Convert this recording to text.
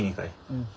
うん。